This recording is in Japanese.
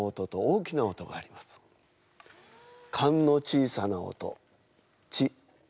甲の小さな音「チ」。